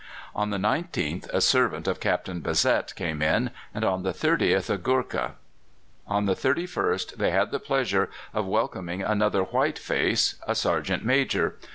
On the 19th a servant of Captain Bazette came in, and on the 30th a Goorkah. On the 31st they had the pleasure of welcoming another white face a sergeant major.